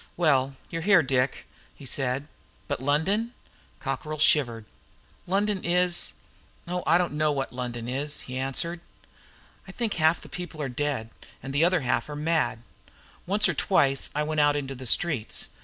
"Well, you're here, Dick," he said. "But London?" Cockerlyne shivered. "London is oh, I don't know what London is!" he answered. "I think half the people are dead, and the other half mad. Once or twice I went out into the streets.